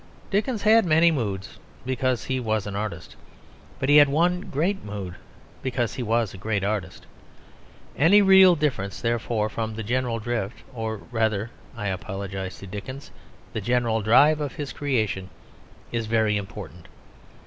Dickens had many moods because he was an artist; but he had one great mood, because he was a great artist. Any real difference therefore from the general drift, or rather (I apologise to Dickens) the general drive of his creation is very important.